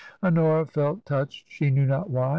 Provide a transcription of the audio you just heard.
Honora felt touched, she knew not why.